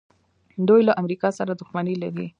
دوی له امریکا سره دښمني لري.